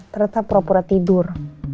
ternyata pura pura tidur